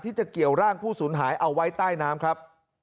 จะเกี่ยวร่างผู้สูญหายเอาไว้ใต้น้ำครับ